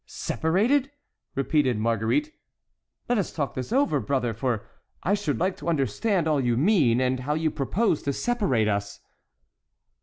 "Separated!" repeated Marguerite; "let us talk this over, brother, for I should like to understand all you mean, and how you propose to separate us."